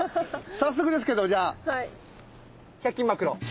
早速ですけどじゃあ１００均マクロ。